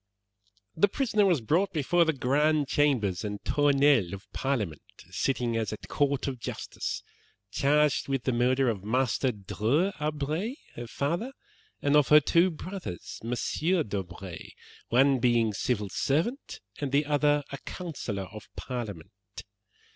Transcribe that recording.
"'The prisoner was brought before the Grand Chambers and Tournelles of Parliament, sitting as a court of justice, charged with the murder of Master Dreux d'Aubray, her father, and of her two brothers, MM. d'Aubray, one being civil lieutenant, and the other a counsellor of Parliament.